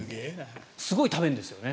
すごい食べるんですよね。